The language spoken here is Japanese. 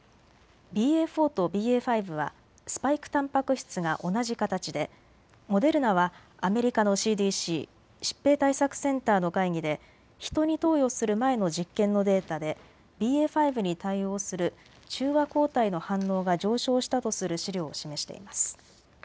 ＢＡ．４とＢＡ．５はスパイクたんぱく質が同じ形でモデルナはアメリカのＣＤＣ・疾病対策センターの会議で人に投与する前の実験のデータでＢＡ．５に対応する中和抗体の反応が上昇したとする資料を示しています。